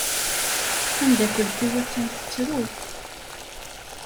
Tamdakelt-iw attan tettru.